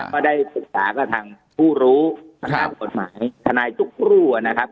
ก็ได้ปรึกษากับทางผู้รู้ครับกฎหมายคณายทุกครู่อ่ะนะครับ